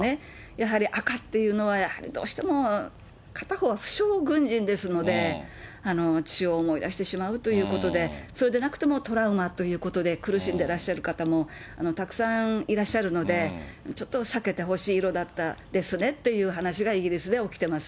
やはり赤っていうのは、やはりどうしても、片方は負傷軍人ですので、血を思い出してしまうということで、それでなくてもトラウマということで苦しんでらっしゃる方もたくさんいらっしゃるので、ちょっと避けてほしい色だったですねということが話がイギリスで起きてます。